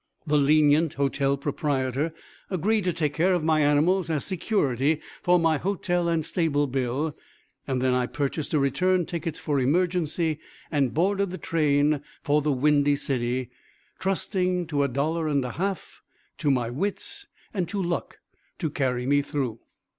The lenient hotel proprietor agreed to take care of my animals as security for my hotel and stable bill; then I purchased a return ticket for emergency, and boarded the train for the Windy City, trusting to a dollar and a half, to my wits, and to "luck" to carry me through.